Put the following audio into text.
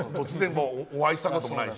お会いしたこともないし。